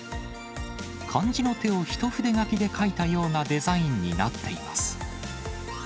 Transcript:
漢字の手を一筆書きで書いたようなデザインになっています。